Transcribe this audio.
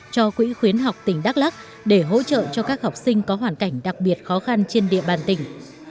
cho quỹ khuyến học tỉnh đắk lắc để hỗ trợ cho các học sinh có hoàn cảnh đặc biệt khó khăn trên địa bàn tỉnh